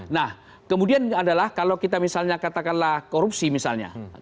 nah kemudian adalah kalau kita misalnya katakanlah korupsi misalnya